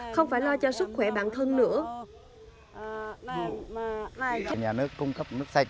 không phải lo cho sức khỏe bản thân nữa